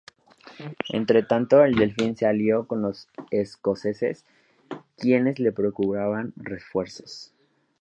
Entretanto, el Delfín se alió con los escoceses quienes le procuraban refuerzos.